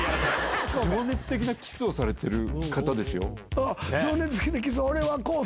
情熱的なキスをされてる方ですよ？